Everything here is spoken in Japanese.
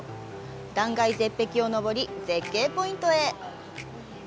断崖絶壁を登り、絶景ポイントへ。